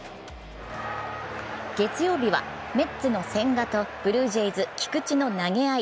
月曜日は、メッツの千賀とブルージェイズ・菊池の投げ合い。